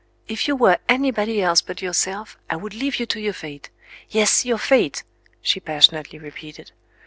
If you were anybody else but yourself, I would leave you to your fate. Yes, your fate," she passionately repeated.